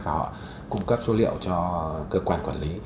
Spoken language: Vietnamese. và họ cung cấp số liệu cho cơ quan quản lý